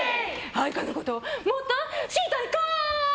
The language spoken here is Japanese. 愛花のこともっと知りたいかい？